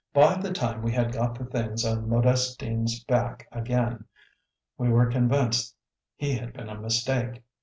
By the time we had got the things on Modestine's back again we were convinced he had been a mistake.